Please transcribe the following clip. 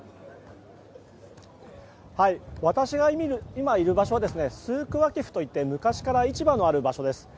私が今いる場所はスークワキフといって昔から市場のある場所です。